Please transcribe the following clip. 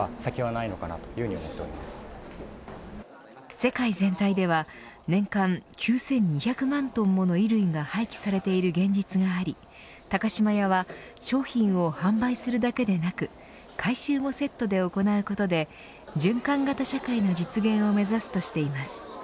世界全体では年間９２００万トンもの衣類が廃棄されている現実があり高島屋は商品を販売するだけでなく回収もセットで行うことで循環型社会の実現を目指すとしています。